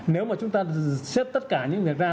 nếu mà chúng ta xếp tất cả những việc ra